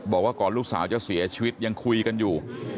บอกว่าก่อนลูกสาวจะเสียชีวิตยังคุยกันอยู่